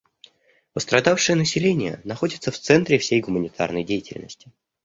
Пострадавшее население находится в центре всей гуманитарной деятельности.